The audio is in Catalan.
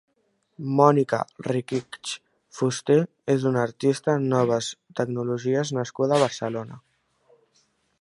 Mónica Rikić Fusté és una artista en noves tecnologies nascuda a Barcelona.